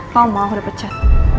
kau mau aku dapet chat